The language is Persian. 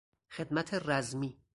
خدمت رزمی